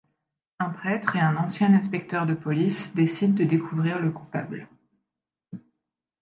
Un prêtre et un ancien inspecteur de police décident de découvrir le coupable.